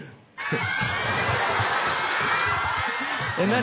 何？